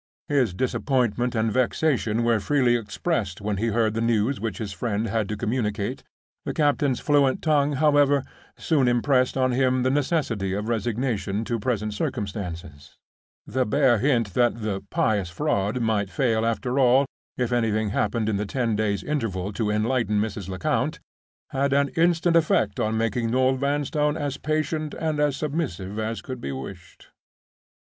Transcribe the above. His disappointment and vexation were freely expressed when he heard the news which his friend had to communicate. The captain's fluent tongue, however, soon impressed on him the necessity of resignation to present circumstances. The bare hint that the "pious fraud" might fail after all, if anything happened in the ten days' interval to enlighten Mrs. Lecount, had an instant effect in making Noel Vanstone as patient and as submissive as could be wished.